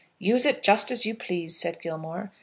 "Use it just as you please," said Gilmore.